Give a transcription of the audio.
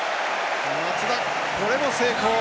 松田、これも成功！